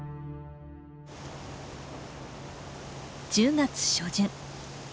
１０月初旬。